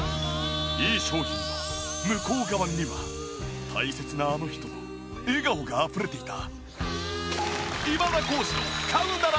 いい商品の向こう側には大切なあの人の笑顔があふれていた。